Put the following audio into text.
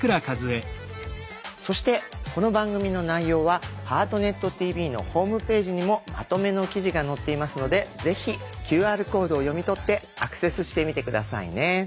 そしてこの番組の内容は「ハートネットＴＶ」のホームページにもまとめの記事が載っていますのでぜひＱＲコードを読み取ってアクセスしてみて下さいね。